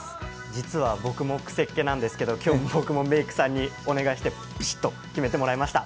実は僕もくせっ毛なんですけど今日僕もメイクさんにお願いしてビシッと決めてもらいました。